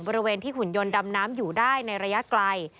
บริเวณที่หุ่นยนต์ดำน้ำอยู่ได้ในระยะไกล